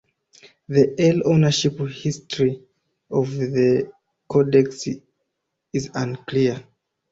The early ownership history of the codex is unclear.